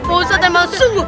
ustadz yang masuk